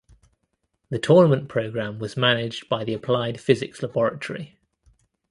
The tournament programme was managed by the Applied Physics Laboratory.